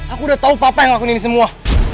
aku udah tau papa yang ngelakuin ini semua